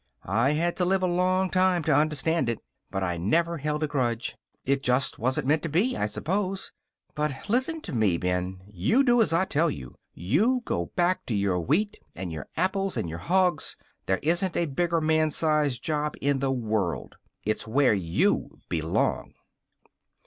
I had to live a long time to understand it. But I never held a grudge. It just wasn't to be, I suppose. But listen to me, Ben. You do as I tell you. You go back to your wheat and your apples and your hogs. There isn't a bigger man size job in the world. It's where you belong."